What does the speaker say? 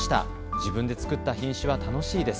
自分で作った品種は楽しいです。